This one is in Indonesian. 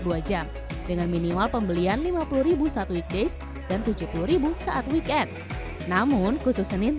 dua jam dengan minimal pembelian lima puluh satu weekdays dan tujuh puluh saat weekend namun khusus senin